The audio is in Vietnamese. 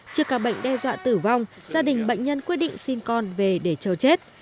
trước các bệnh đe dọa tử vong gia đình bệnh nhân quyết định xin con về để châu chết